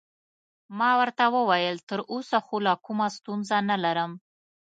ما ورته وویل: تراوسه خو لا کومه ستونزه نلرم.